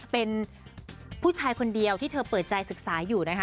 เป็นผู้ชายคนเดียวที่เธอเปิดใจศึกษาอยู่นะคะ